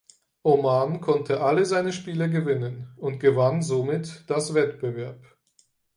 Oman konnte alle seine Spiele gewinnen und gewann somit das Wettbewerb.